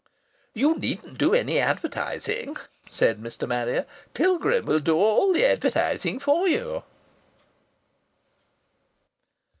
"You needn't do any advertaysing," said Mr. Marrier. "Pilgrim will do all the advertaysing for you."